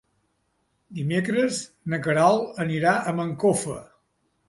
Dimecres na Queralt anirà a Moncofa.